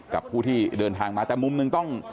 กับผู้ที่เดินทางมาแต่มุมหนึ่งต้อง